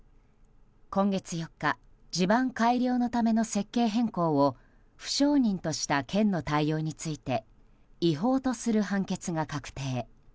今月４日地盤改良のための設計変更を不承認とした県の対応について違法とする判決が確定。